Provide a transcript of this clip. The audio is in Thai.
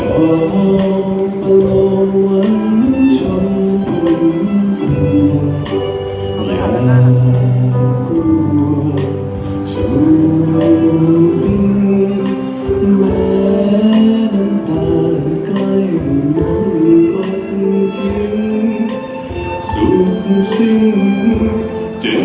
ภาพลวงมันจนกลุ่มกลัวท่ากลัวจะลุ่มติด